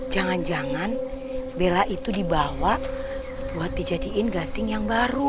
jangan jangan bela itu dibawa buat dijadikan gasing yang baru